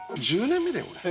１０年目だよ俺。